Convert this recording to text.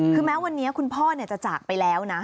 คือแม้วันนี้คุณพ่อจะจากไปแล้วนะ